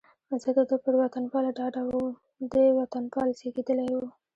زه د ده پر وطنپالنه ډاډه وم، دی وطنپال زېږېدلی و.